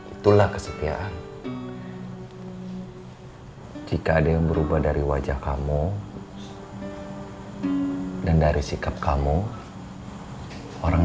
itulah kesetiaan jika ada yang berubah dari wajah kamu dan dari sikap kamu orang